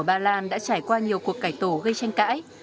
các trường hợp của bà lan đã trải qua nhiều cuộc cải tổ gây tranh cãi